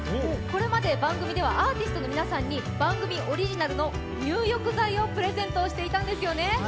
これまで番組ではアーティストの皆さんに番組オリジナルの入浴剤をプレゼントしていたんですよね。